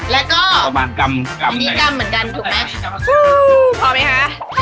แล้วก็อันนี้กำเหมือนกันถูกไหมฟู้พร้อมไหมคะ